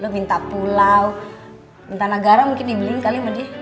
lo minta pulau minta negara mungkin dibeliin kali mah dia